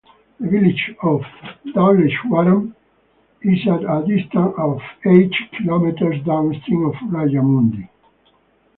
The village of Dowleshwaram is at a distance of eight kilometers downstream of Rajamundry.